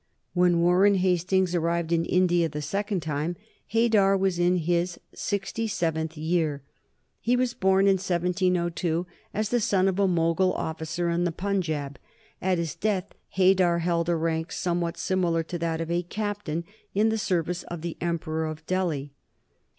When Warren Hastings arrived in India the second time Haidar was in his sixty seventh year. He was born in 1702 as the son of a Mogul officer in the Punjaub. At his death Haidar held a rank somewhat similar to that of a captain in the service of the Emperor of Delhi.